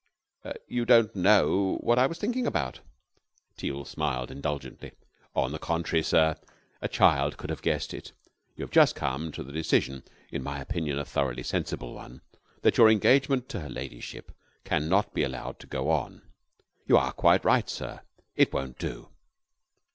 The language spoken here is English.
"You don't know what I was thinking about." Teal smiled indulgently. "On the contrary, sir. A child could have guessed it. You have just come to the decision in my opinion a thoroughly sensible one that your engagement to her ladyship can not be allowed to go on. You are quite right, sir. It won't do."